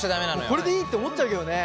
これでいいって思っちゃうけどね。